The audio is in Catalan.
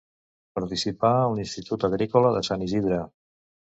Participà en l'Institut Agrícola de Sant Isidre.